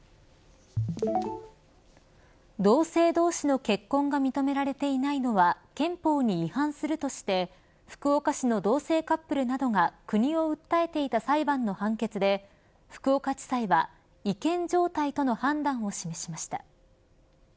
同性同士の結婚が認められていないのは憲法に違反するとして福岡市の同性カップルなどが国を訴えていた裁判の判決で福岡地裁は違憲状態との判断を示しました。